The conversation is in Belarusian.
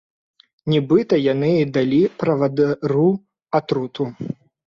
Нібыта, яны і далі правадыру атруту.